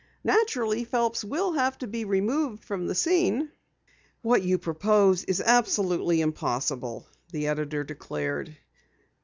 Naturally, Phelps will have to be removed from the scene." "What you propose is absolutely impossible," the editor declared.